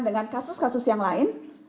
dengan kasus kasus yang lain